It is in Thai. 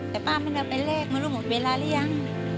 แต่ป้าไม่ได้เอาไปแลกไม่รู้หมดเวลาหรือยัง